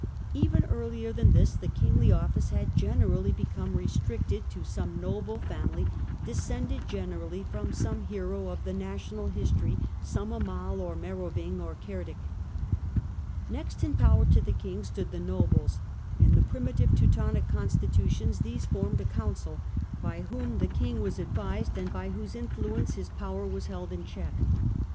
Even earlier than this the kingly office had generally become restricted to some noble family, descended generally from some hero of the national history — some Amal or Meroving or Cerdic. Next in power to the king stood the nobles. In the primitive Teutonic constitutions these formed a council, by whom the king was advised and by whose influence his power was held in check.